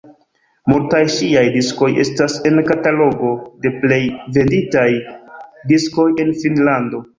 Multaj ŝiaj diskoj estas en katalogo de plej venditaj diskoj de Finnlando.